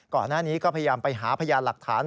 ก่อนหน้านี้ก็พยายามไปหาพยานหลักฐาน